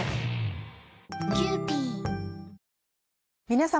皆様。